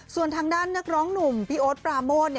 ส่วนทางด้านนักร้องหนุ่มพี่โอ๊ตปราโมท